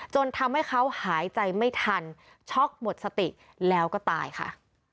จนทำให้เขาหายใจไม่ทันช็อกหมดสติแล้วก็ตายค่ะ